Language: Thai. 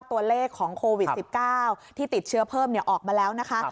ตัวเลขของโควิด๑๙ที่ติดเชื้อเพิ่มออกมาแล้วนะคะ